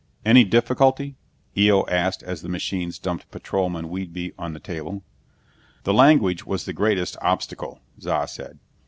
"Any difficulty?" Eo asked as the machines dumped Patrolman Whedbee on the table. "The language was the greatest obstacle," Za said.